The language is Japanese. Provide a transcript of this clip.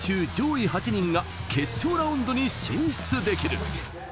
２０人中、上位８人が決勝ラウンドに進出できる。